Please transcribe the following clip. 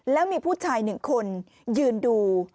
แล้วมีผู้ชายหนึ่งคนยืนดู